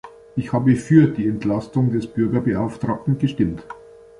Ich habe für die Entlastung des Bürgerbeauftragten gestimmt.